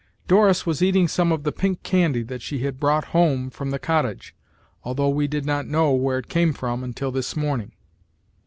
Doris was eating some of the pink candy that she had brought home from the cottage, although we did not know where it came from until this morning.